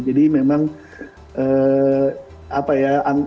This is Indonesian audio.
jadi memang apa ya